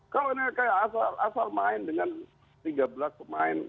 kalau ini kayak asal asal main dengan tiga belas pemain